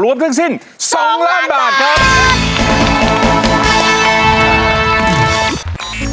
รวมถึงสิ้น๒ล้านบาทค่ะ